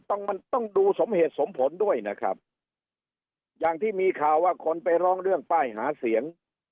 ต้องมันต้องดูสมเหตุสมผลด้วยนะครับอย่างที่มีข่าวว่าคนไปร้องเรื่องป้ายหาเสียง